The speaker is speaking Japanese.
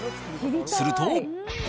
すると。